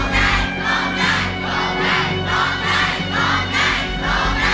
ร้องได้ร้องได้ร้องได้ร้องได้